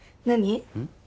何？